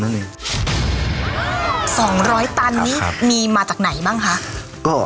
๒๐๐ตันนี่มีมาจากไหนบ้างคะ